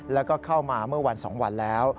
แล้วก็เข้ามาเมื่อวัน๒วันแล้ว